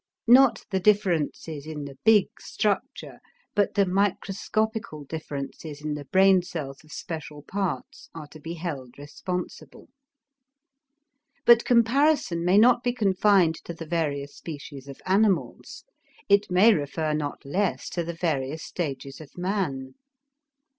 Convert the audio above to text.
Not the differences in the big structure, but the microscopical differences in the brain cells of special parts are to be held responsible. But comparison may not be confined to the various species of animals; it may refer not less to the various stages of man.